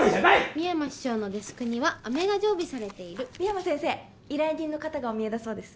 深山師匠のデスクにはアメが常備されている深山先生依頼人の方がおみえだそうです